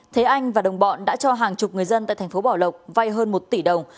thế anh và đồng bọn đã cho hàng chục người dân tại tp bảo lộc vai hơn một tỷ đồng